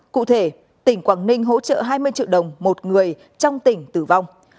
cụ thể tỉnh quảng ninh hỗ trợ hai mươi triệu đồng một người trong tỉnh tử vong